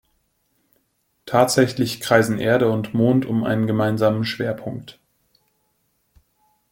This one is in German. Tatsächlich kreisen Erde und Mond um einen gemeinsamen Schwerpunkt.